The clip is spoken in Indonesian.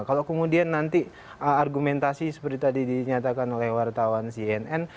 kalau kemudian nanti argumentasi seperti tadi dinyatakan oleh wartawan cnn